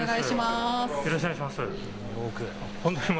よろしくお願いします。